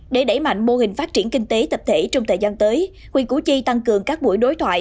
để đẩy mạnh mô hình phát triển kinh tế tập thể trong thời gian tới huyện củ chi tăng cường các buổi đối thoại